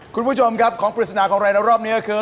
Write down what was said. คุณผู้ชมครับของปริศนาของเราในรอบนี้ก็คือ